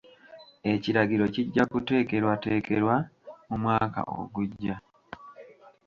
Ekiragiro kijja kuteekerwateekerwa mu mwaka ogujja.